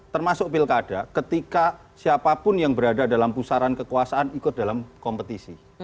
termasuk pilkada ketika siapapun yang berada dalam pusaran kekuasaan ikut dalam kompetisi